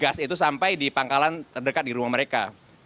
gas itu sampai di pangkalan terdekat di rumah mereka